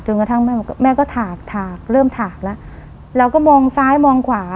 กระทั่งแม่ก็ถากถากเริ่มถากแล้วเราก็มองซ้ายมองขวา